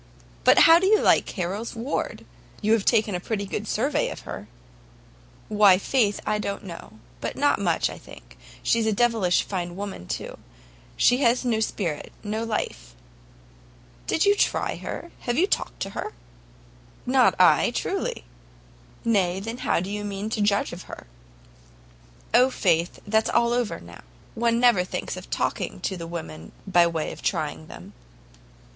"But how do you like Harrel's ward? You have taken a pretty good survey of her." "Why, faith, I don't know; but not much, I think; she's a devilish fine woman, too; but she has no spirit, no life." "Did you try her? Have you talked to her?" "Not I, truly!" "Nay, then how do you mean to judge of her?" "O, faith, that's all over, now; one never thinks of talking to the women by way of trying them."